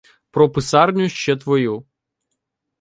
Про писарню ще твою.